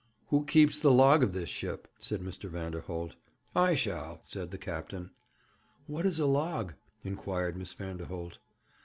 'Who keeps the log of this ship?' said Mr. Vanderholt. 'I shall,' said the captain. 'What is a log?' inquired Miss Vanderholt.